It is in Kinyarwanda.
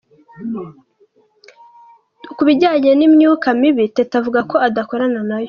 Ku bijyanye n’imyuka mibi, Teta avuga ko adakorana nayo.